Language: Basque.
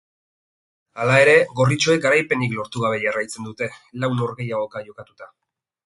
Hala ere, gorritxoek garaipenik lortu gabe jarraitzen dute, lau norgehiagoka jokatuta.